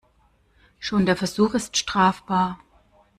Schon der Versuch ist strafbar.